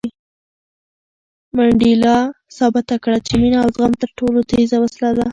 منډېلا ثابته کړه چې مینه او زغم تر ټولو تېزه وسله ده.